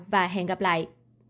và hẹn gặp lại